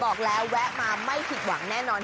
บอกแล้วแวะมาไม่ผิดหวังแน่นอน